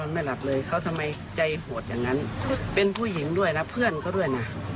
ไม่หลับเลยเขาทำไมใจโหดอย่างนั้นเป็นผู้หญิงด้วยแล้วเพื่อนเขาด้วยนะ